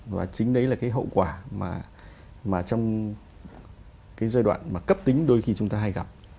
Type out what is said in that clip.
và chính đấy là cái hậu quả mà trong cái giai đoạn mà cấp tính đôi khi chúng ta hay gặp